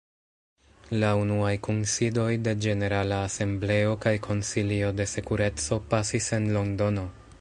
La unuaj kunsidoj de Ĝenerala Asembleo kaj Konsilio de Sekureco pasis en Londono.